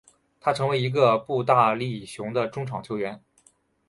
他成为一个步大力雄的中场球员。